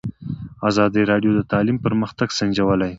ازادي راډیو د تعلیم پرمختګ سنجولی.